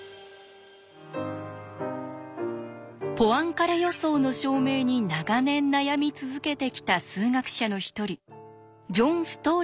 ポアンカレ予想の証明に長年悩み続けてきた数学者の一人ジョン・ストー